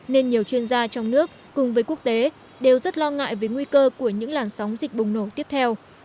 nên nhiều chuyên gia trong nước cùng với quốc tế đều rất lo ngại về nguy cơ của những làn sóng dịch bùng nổ tiếp theo